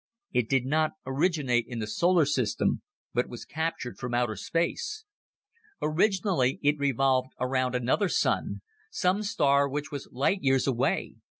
It did not originate in the solar system, but was captured from outer space. Originally it revolved around another sun, some star which was light years away.